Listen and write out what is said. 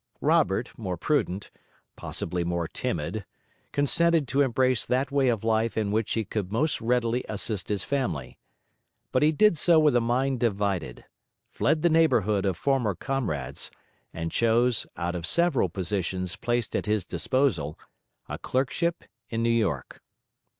Robert, more prudent, possibly more timid, consented to embrace that way of life in which he could most readily assist his family. But he did so with a mind divided; fled the neighbourhood of former comrades; and chose, out of several positions placed at his disposal, a clerkship in New York.